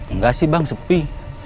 enggak sih bang sepi